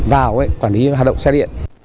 vào quản lý hoạt động xe điện